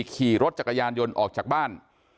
ขี่รถจักรยานยนต์ออกจากบ้าน